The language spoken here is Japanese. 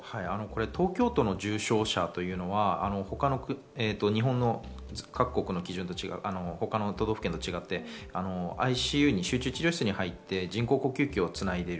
東京都の重症者というのは、他の都道府県と違って、ＩＣＵに、集中治療室に入って、人工呼吸器をつないでる。